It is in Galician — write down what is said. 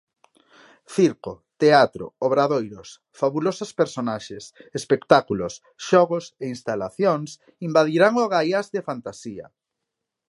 Circo, teatro, obradoiros, fabulosas personaxes, espectáculos, xogos e instalacións invadirán o Gaiás de fantasía.